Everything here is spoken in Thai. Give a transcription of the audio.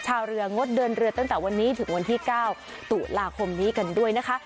ชาวเรืองดเดินเรือตั้งแต่วันนี้ถึงวันที่๙ตุลาคมนี้กันด้วยนะคะ